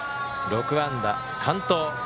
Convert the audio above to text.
６安打、完投。